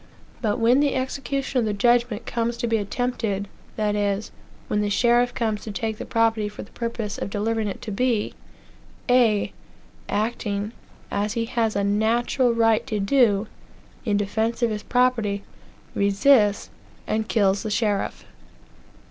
But when the execution of that judgment comes to be attempted that is, when the sheriff comes to take the property for the purpose of delivering it to B A acting, as he has a natural right to do, in defence of his property, resists and kills the sheriff.